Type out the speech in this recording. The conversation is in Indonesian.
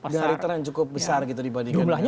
dari tren cukup besar gitu dibandingkan dengan lainnya